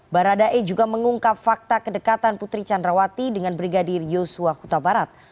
baradae juga mengungkap fakta kedekatan putri candrawati dengan brigadir yosua huta barat